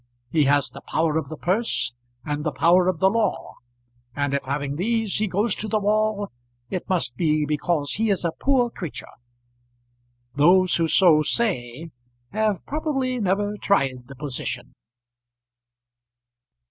He has the power of the purse and the power of the law; and if, having these, he goes to the wall, it must be because he is a poor creature. Those who so say have probably never tried the position.